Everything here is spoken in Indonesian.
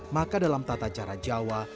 maka dalam tata cara jawa